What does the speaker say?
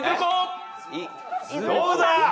どうだ？